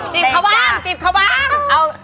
จีบเขาบ้างจริงจัก